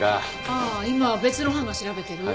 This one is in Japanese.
ああ今別の班が調べてる？